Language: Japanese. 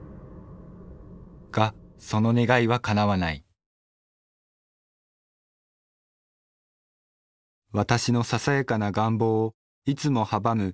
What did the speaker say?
がその願いはかなわない私のささやかな願望をいつも阻む